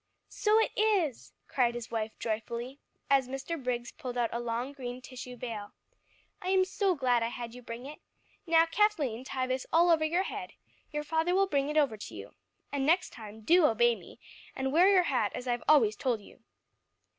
"So it is," cried his wife joyfully, as Mr. Briggs pulled out a long green tissue veil. "I am so glad I had you bring it. Now, Kathleen, tie this all over your head; your father will bring it over to you. And next time, do obey me, and wear your hat as I've always told you."